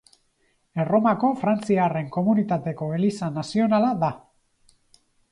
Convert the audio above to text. Erromako frantziarren komunitateko eliza nazionala da.